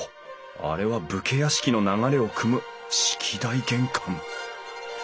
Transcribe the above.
あれは武家屋敷の流れをくむ式台玄関。